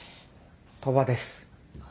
鳥羽です。